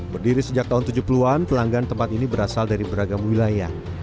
berdiri sejak tahun tujuh puluh an pelanggan tempat ini berasal dari beragam wilayah